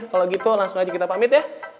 kalau gitu langsung aja kita pamit ya